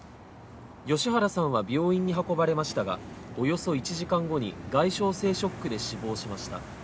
吉原さんは病院に運ばれましたがおよそ１時間後に外傷性ショックで死亡しました。